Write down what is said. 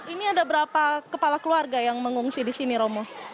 ini ada berapa kepala keluarga yang mengungsi di sini romo